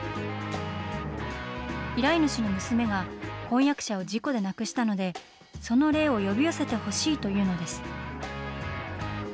依頼主の娘が婚約者を事故で亡くしたので、その霊を呼び寄せてほしいというのです。